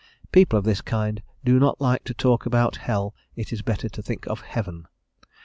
People of this kind "do not like to talk about hell, it is better to think of heaven."